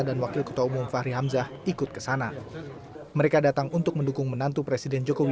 dan tidak boleh menjadikan perikadanya ini sebagai faktor pembicaraan